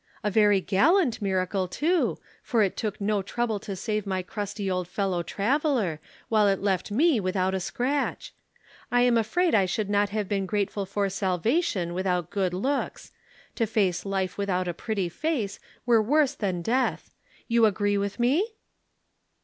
A very gallant miracle, too, for it took no trouble to save my crusty old fellow traveller, while it left me without a scratch. I am afraid I should not have been grateful for salvation without good looks. To face life without a pretty face were worse than death. You agree with me?"